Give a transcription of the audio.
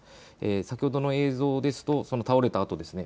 先ほどの映像ですとその倒れたあとですね。